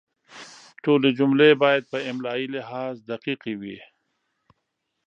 ټولې جملې باید په املایي لحاظ دقیقې وي.